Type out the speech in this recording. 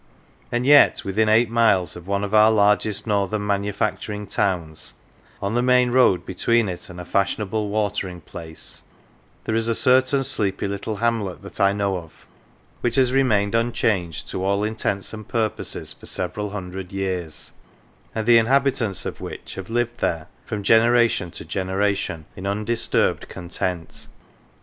"And yet within eight miles of one of our largest Northern manufacturing towns, on the main road between it and a fashionable watering place, there is a certain sleepy little hamlet that I know of, which has remained unchanged to all intents and purposes for several hundred years, and the inhabitants of which have lived there from generation to generation in undisturbed content.